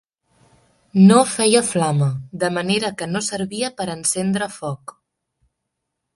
No feia flama, de manera que no servia per encendre foc.